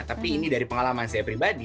tapi ini dari pengalaman saya pribadi